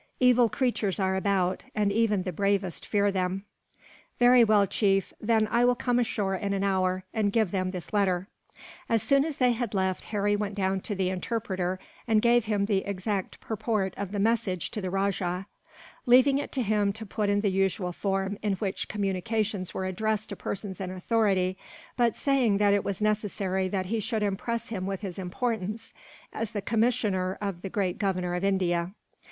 Evil creatures are about, and even the bravest fear them." "Very well, chief; then I will come ashore in an hour, and give them this letter." As soon as they had left, Harry went down to the interpreter, and gave him the exact purport of the message to the rajah; leaving it to him to put it in the usual form in which communications were addressed to persons in authority, but saying that it was necessary that he should impress him with his importance, as the commissioner of the great Governor of India.